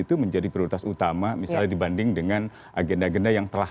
itu menjadi prioritas utama misalnya dibanding dengan agenda agenda yang telah